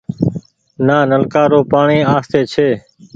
نآ نلڪآ رو پآڻيٚ آستي ڇي ۔